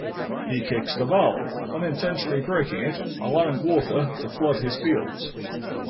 He kicks the valve, unintentionally breaking it, allowing water to flood his fields.